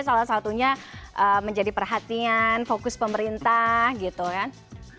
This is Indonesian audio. salah satunya menjadi perhatian fokus pemerintah gitu kan